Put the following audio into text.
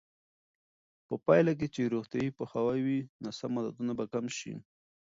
په پایله کې چې روغتیایي پوهاوی وي، ناسم عادتونه به کم شي.